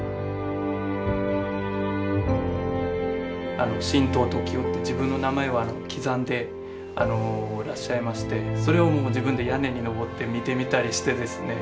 あの「シントウトキヲ」って自分の名前を刻んでらっしゃいましてそれをもう自分で屋根に登って見てみたりしてですね。